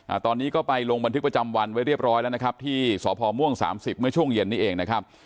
อ่าตอนนี้ก็ไปลงบันทึกประจำวันไว้เรียบร้อยแล้วนะครับที่สพม่วงสามสิบเมื่อช่วงเย็นนี้เองนะครับ